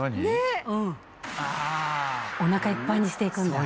お腹いっぱいにして行くんだ。